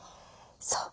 そう。